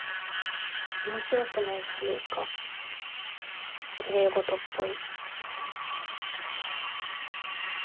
面白くないっていうかきれいごとっぽい。